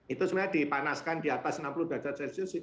itu sebenarnya dipanaskan di atas enam puluh derajat celcius